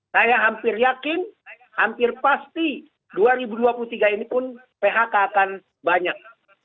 saya hampir yakin hampir pasti dua ribu dua puluh tiga ini pun phk akan banyak